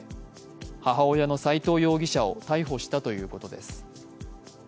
母親の斉藤容疑者を逮捕したということです。